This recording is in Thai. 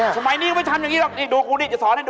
ท่านนอนต้องทำอย่างไรน่ะฮ่ะ